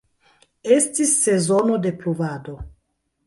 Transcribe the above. Estis sezono de pluvado.